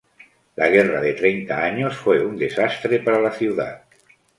La Guerra de Treinta Años fue un desastre para la ciudad.